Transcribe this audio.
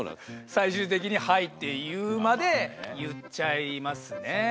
最終的に「はい」って言うまで言っちゃいますね。